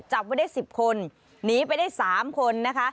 จับไว้ได้๑๐คนหนีไปได้๓คนนะคะ